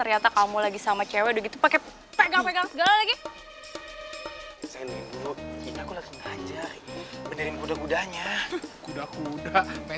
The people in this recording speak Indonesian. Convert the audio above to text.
diam di tenung diam